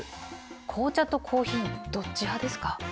紅茶とコーヒーどっち派ですか？